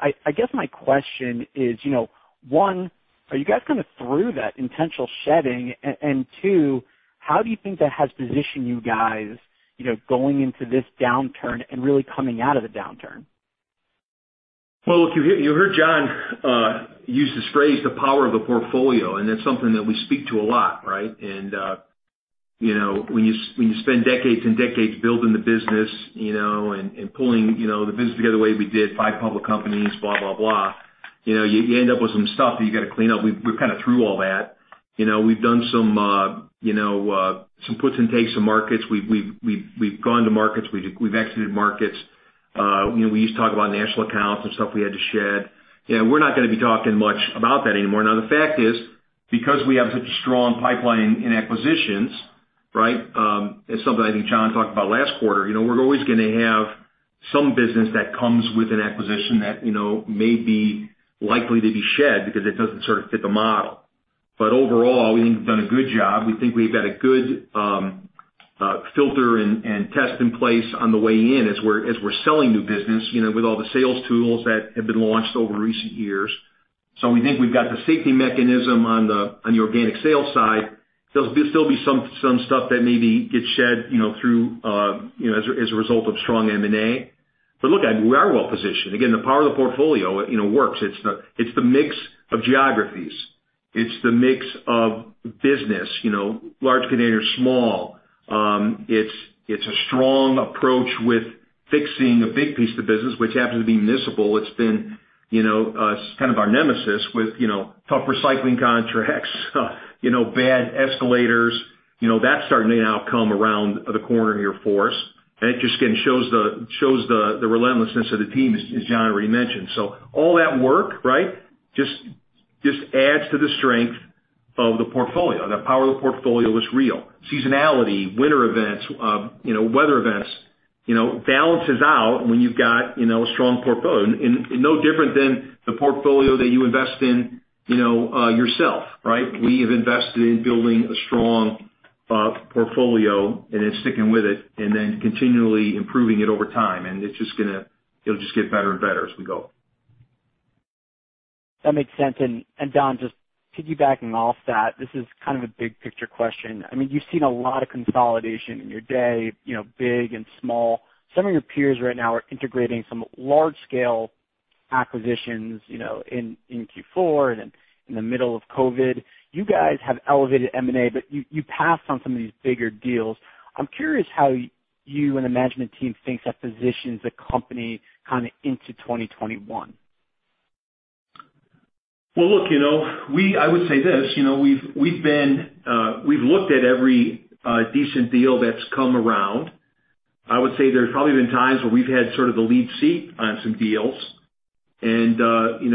I guess my question is, one, are you guys kind of through that intentional shedding? Two, how do you think that has positioned you guys, going into this downturn and really coming out of the downturn? Well, look, you heard Jon use this phrase, the power of the portfolio, That's something that we speak to a lot, right? When you spend decades and decades building the business, and pulling the business together the way we did, five public companies, blah, blah. You end up with some stuff that you got to clean up. We're kind of through all that. We've done some puts and takes of markets. We've gone to markets. We've exited markets. We used to talk about national accounts and stuff we had to shed. We're not going to be talking much about that anymore. The fact is, because we have such a strong pipeline in acquisitions, right? It's something I think Jon talked about last quarter. We're always going to have some business that comes with an acquisition that may be likely to be shed because it doesn't sort of fit the model. Overall, we think we've done a good job. We think we've got a good filter and test in place on the way in as we're selling new business, with all the sales tools that have been launched over recent years. We think we've got the safety mechanism on the organic sales side. There'll still be some stuff that maybe gets shed through, as a result of strong M&A. Look, we are well-positioned. Again, the power of the portfolio, it works. It's the mix of geographies. It's the mix of business, large container, small. It's a strong approach with fixing a big piece of the business, which happens to be municipal. It's been kind of our nemesis with tough recycling contracts, bad escalators. That's starting to now come around the corner here for us. It just, again, shows the relentlessness of the team, as Jon already mentioned. All that work, right, just adds to the strength of the portfolio. The power of the portfolio is real. Seasonality, winter events, weather events, balances out when you've got a strong portfolio. No different than the portfolio that you invest in yourself, right? We have invested in building a strong portfolio and then sticking with it, and then continually improving it over time. It'll just get better and better as we go. That makes sense. Don, just piggybacking off that, this is kind of a big picture question. You've seen a lot of consolidation in your day, big and small. Some of your peers right now are integrating some large-scale acquisitions in Q4 and in the middle of COVID. You guys have elevated M&A, but you passed on some of these bigger deals. I'm curious how you and the management team thinks that positions the company kind of into 2021. Well, look, I would say this, we've looked at every decent deal that's come around. I would say there's probably been times where we've had sort of the lead seat on some deals. On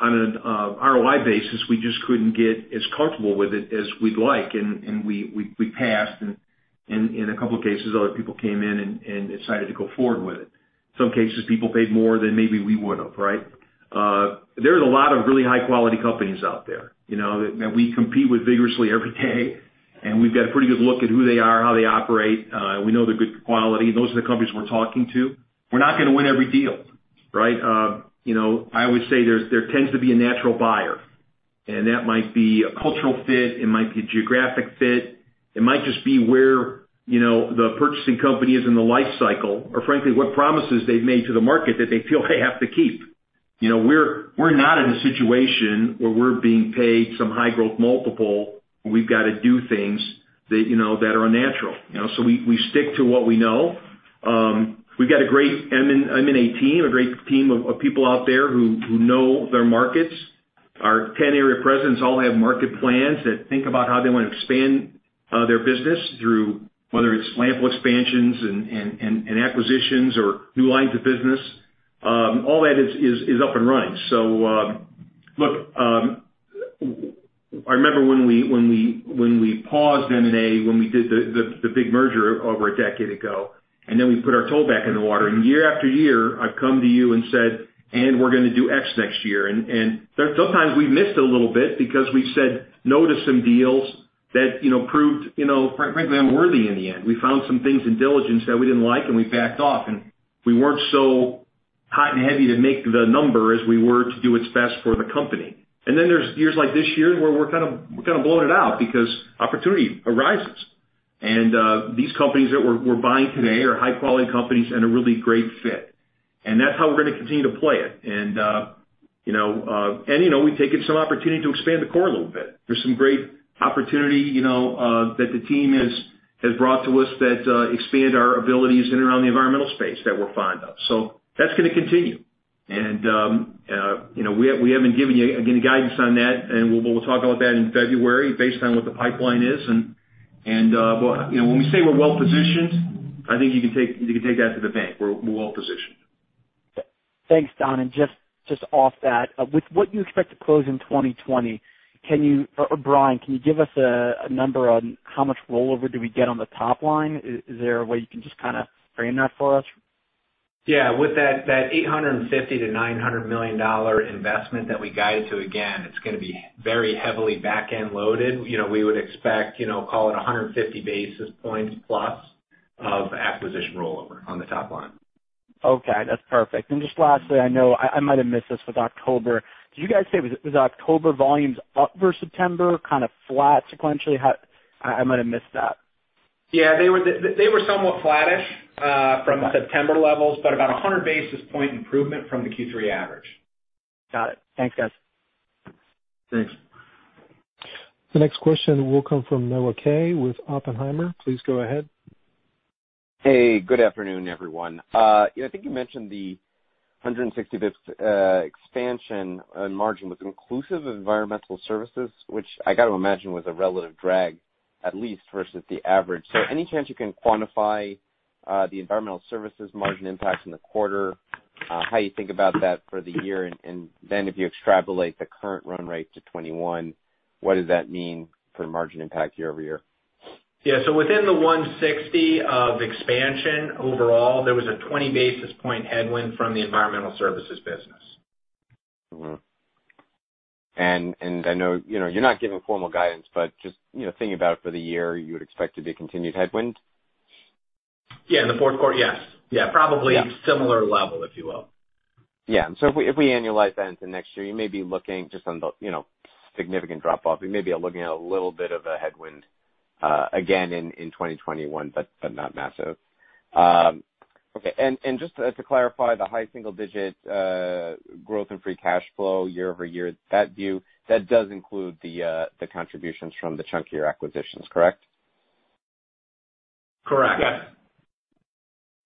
an ROI basis, we just couldn't get as comfortable with it as we'd like, and we passed. In a couple of cases, other people came in and decided to go forward with it. Some cases, people paid more than maybe we would've, right? There's a lot of really high-quality companies out there, that we compete with vigorously every day. We've got a pretty good look at who they are, how they operate. We know they're good quality. Those are the companies we're talking to. We're not going to win every deal, right? I always say there tends to be a natural buyer. That might be a cultural fit, it might be a geographic fit. It might just be where the purchasing company is in the life cycle, or frankly, what promises they've made to the market that they feel they have to keep. We're not in a situation where we're being paid some high growth multiple, and we've got to do things that are unnatural. We stick to what we know. We've got a great M&A team, a great team of people out there who know their markets. Our 10 area presidents all have market plans that think about how they want to expand their business through whether it's landfill expansions and acquisitions or new lines of business. All that is up and running. Look, I remember when we paused M&A when we did the big merger over a decade ago, then we put our toe back in the water, and year after year, I've come to you and said, "And we're going to do X next year." Sometimes we've missed a little bit because we said no to some deals that proved frankly unworthy in the end. We found some things in diligence that we didn't like, and we backed off, and we weren't so hot and heavy to make the number as we were to do what's best for the company. There's years like this year where we're kind of blowing it out because opportunity arises. These companies that we're buying today are high-quality companies and a really great fit. That's how we're going to continue to play it. We've taken some opportunity to expand the core a little bit. There's some great opportunity that the team has brought to us that expand our abilities in and around the environmental space that we're fond of. That's going to continue. We haven't given you any guidance on that, and we'll talk about that in February based on what the pipeline is. When we say we're well-positioned, I think you can take that to the bank. We're well-positioned. Thanks, Don. Just off that, with what you expect to close in 2020, Brian, can you give us a number on how much rollover do we get on the top line? Is there a way you can just kind of frame that for us? Yeah. With that $850 million-$900 million investment that we guided to, again, it's going to be very heavily back-end loaded. We would expect call it 150 basis points plus of acquisition rollover on the top line. Okay, that's perfect. Just lastly, I know I might have missed this with October. Did you guys say, was October volumes up for September? Kind of flat sequentially? I might have missed that. Yeah. They were somewhat flattish from September levels, but about 100 basis point improvement from the Q3 average. Got it. Thanks, guys. Thanks. The next question will come from Noah Kaye with Oppenheimer. Please go ahead. Hey, good afternoon, everyone. I think you mentioned the 160 basis points expansion on margin was inclusive of environmental services, which I got to imagine was a relative drag, at least versus the average. Any chance you can quantify the environmental services margin impacts in the quarter, how you think about that for the year, and then if you extrapolate the current run rate to 2021, what does that mean for margin impact year-over-year? Within the 160 of expansion overall, there was a 20 basis point headwind from the environmental services business. Mm-hmm. I know you're not giving formal guidance, but just thinking about it for the year, you would expect it to be a continued headwind? Yeah. In the fourth quarter, yes. Yeah. Yeah. Probably similar level, if you will. Yeah. If we annualize that into next year, you may be looking just on the significant drop off, we may be looking at a little bit of a headwind again in 2021, but not massive. Okay. Just to clarify the high single-digit growth in free cash flow year-over-year, that view, that does include the contributions from the chunkier acquisitions, correct? Correct. Yes.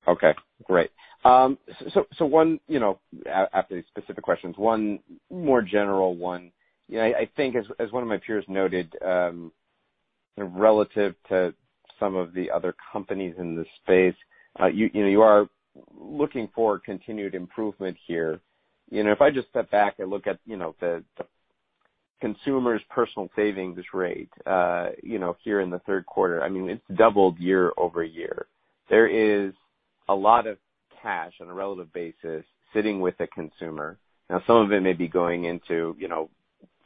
Okay, great. After these specific questions, one more general one. I think as one of my peers noted, relative to some of the other companies in this space, you are looking for continued improvement here. If I just step back and look at the consumer's personal savings rate here in the third quarter, it's doubled year-over-year. There is a lot of cash on a relative basis sitting with the consumer. Now, some of it may be going into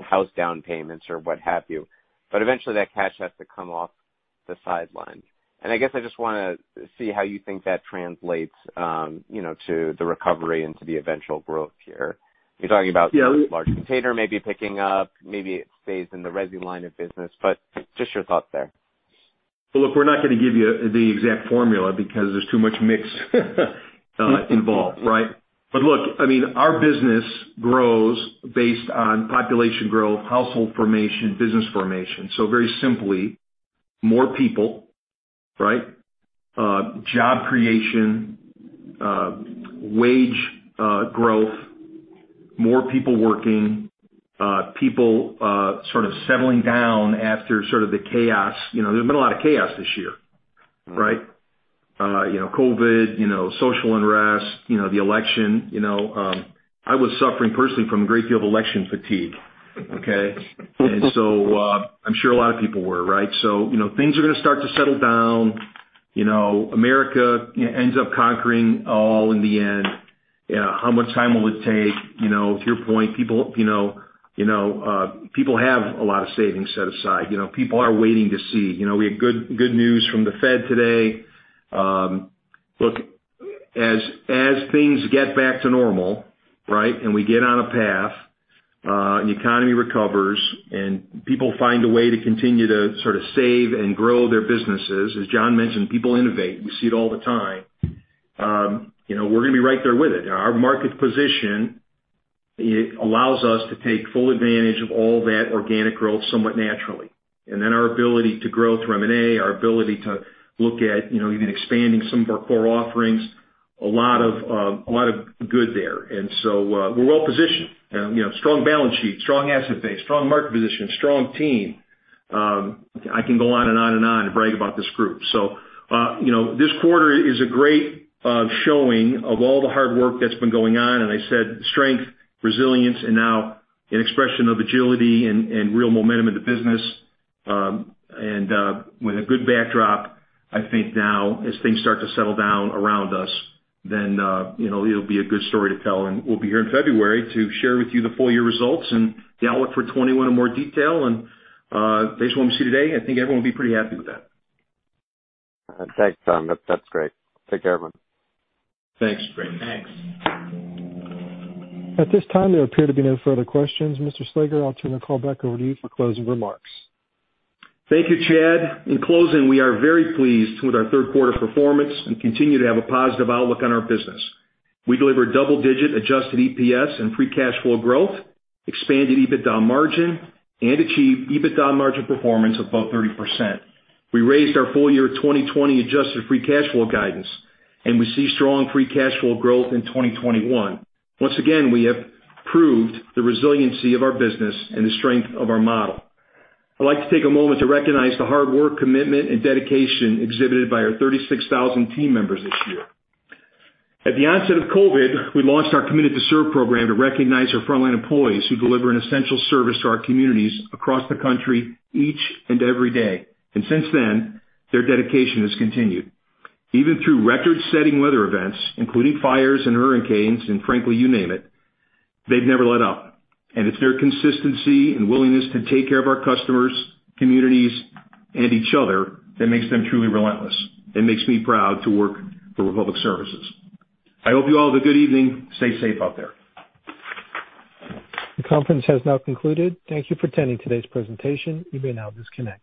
house down payments or what have you, but eventually that cash has to come off the sideline. I guess I just want to see how you think that translates to the recovery into the eventual growth here. You're talking about- Yeah, we- large container may be picking up, maybe it stays in the resi line of business, but just your thoughts there. Look, we're not going to give you the exact formula because there's too much mix involved, right? Look, our business grows based on population growth, household formation, business formation. Very simply, more people, job creation, wage growth, more people working, people sort of settling down after sort of the chaos. There's been a lot of chaos this year. COVID, social unrest, the election. I was suffering personally from a great deal of election fatigue. Okay. I'm sure a lot of people were. Things are going to start to settle down. America ends up conquering all in the end. How much time will it take? To your point, people have a lot of savings set aside. People are waiting to see. We had good news from the Fed today. Look, as things get back to normal and we get on a path and the economy recovers and people find a way to continue to sort of save and grow their businesses, as Jon mentioned, people innovate. We see it all the time. We're going to be right there with it. Our market position allows us to take full advantage of all that organic growth somewhat naturally. Our ability to grow through M&A, our ability to look at even expanding some of our core offerings. A lot of good there. We're well-positioned. Strong balance sheet, strong asset base, strong market position, strong team. I can go on and on and on and brag about this group. This quarter is a great showing of all the hard work that's been going on, I said strength, resilience, and now an expression of agility and real momentum in the business. With a good backdrop, I think now, as things start to settle down around us, then it'll be a good story to tell, and we'll be here in February to share with you the full year results and the outlook for 2021 in more detail. Based on what we see today, I think everyone will be pretty happy with that. Thanks, Don. That's great. Take care, everyone. Thanks. Great. Thanks. At this time, there appear to be no further questions. Mr. Slager, I'll turn the call back over to you for closing remarks. Thank you, Chad. In closing, we are very pleased with our third quarter performance and continue to have a positive outlook on our business. We delivered double-digit adjusted EPS and free cash flow growth, expanded EBITDA margin, and achieved EBITDA margin performance above 30%. We raised our full year 2020 adjusted free cash flow guidance, and we see strong free cash flow growth in 2021. Once again, we have proved the resiliency of our business and the strength of our model. I'd like to take a moment to recognize the hard work, commitment, and dedication exhibited by our 36,000 team members this year. At the onset of COVID, we launched our Committed to Serve program to recognize our frontline employees who deliver an essential service to our communities across the country each and every day. Since then, their dedication has continued. Even through record-setting weather events, including fires and hurricanes, and frankly, you name it, they've never let up. It's their consistency and willingness to take care of our customers, communities, and each other that makes them truly relentless, and makes me proud to work for Republic Services. I hope you all have a good evening. Stay safe out there. The conference has now concluded. Thank you for attending today's presentation. You may now disconnect.